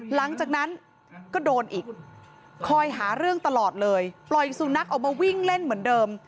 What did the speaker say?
หลังจากนั้นก็โดนอีกคอยหาเรื่องตลอดเลยปล่อยสุนัขออกมาวิ่งเล่นเหมือนเดิม